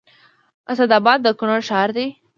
اسداباد د کونړ ښار دی